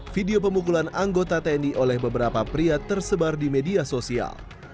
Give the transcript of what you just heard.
video pemukulan anggota tni oleh beberapa pria tersebar di media sosial